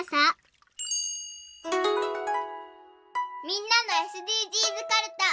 みんなのＳＤＧｓかるた。